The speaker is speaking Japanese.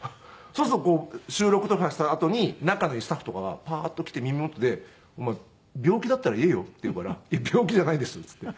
そうすると収録とかしたあとに仲のいいスタッフとかがパーッと来て耳元で「お前病気だったら言えよ」って言うから「病気じゃないんです」って言って。